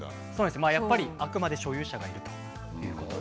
まあやっぱりあくまで所有者がいるということで。